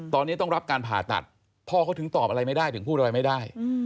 ตอนนี้ต้องรับการผ่าตัดพ่อเขาถึงตอบอะไรไม่ได้ถึงพูดอะไรไม่ได้